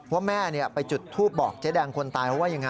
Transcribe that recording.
ว่าแม่ไปจุดทูปบอกเจ๊แดงคนตายเขาว่ายังไง